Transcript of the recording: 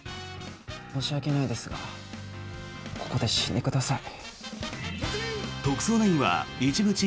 申し訳ないですがここで死んでください。